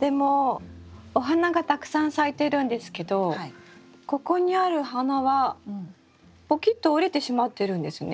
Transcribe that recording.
でもお花がたくさん咲いてるんですけどここにある花はポキッと折れてしまってるんですね。